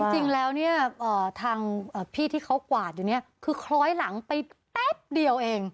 จริงแล้วเนี่ยทางพี่ที่เขากวาดอยู่เนี่ยคือคล้อยหลังไปแป๊บเดียวเอง